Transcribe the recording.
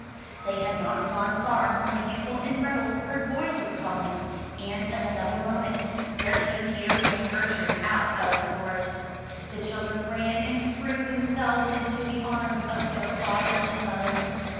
They had not gone far, when Hansel and Grethel heard voices calling, and in another moment there came Peter and Gertrude out of the forest. The children ran and threw themselves into the arms of their father and mother.